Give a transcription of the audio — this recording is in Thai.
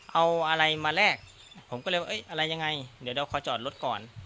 เอาอะไรมาแลกผมก็เลยว่าอะไรยังไงเดี๋ยวเราขอจอดรถก่อน